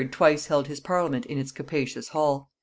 twice held his parliament in its capacious hall.